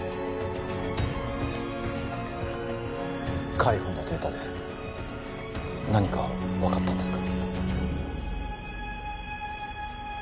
海保のデータで何か分かったんですか？